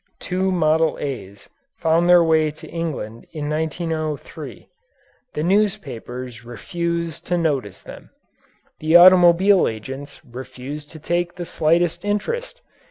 Two "Model A's" found their way to England in 1903. The newspapers refused to notice them. The automobile agents refused to take the slightest interest.